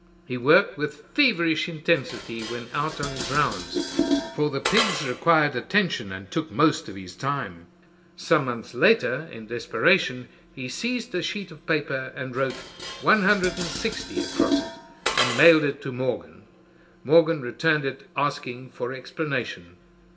He worked with feverish intensity when out on his rounds, for the pigs required attention and took most of his time. Some months later, in desperation, he seized a sheet of paper and wrote "160" across it and mailed it to Morgan. Morgan returned it asking for explanation.